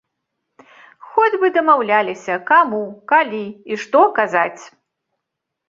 Хоць бы дамаўляліся, каму, калі і што казаць.